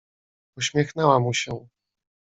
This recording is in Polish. "Uśmiechnęła mu się."